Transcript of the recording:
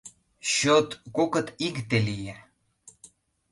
Счёт кокыт - икте лие.